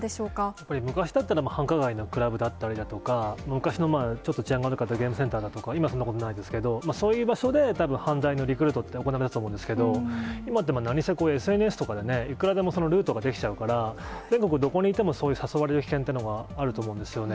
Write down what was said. やっぱり、昔だったら繁華街のクラブだったりとか、昔のちょっと治安が悪かったゲームセンターとか、今そんなことはないですけど、そういう場所でたぶん、犯罪のリクルートって行われていたと思うんですけれども、今ってなにせＳＮＳとかでいくらでもルートが出来ちゃうから、全国どこにいても、そういう誘われる危険っていうのはあると思うんですよね。